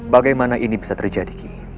bagaimana ini bisa terjadi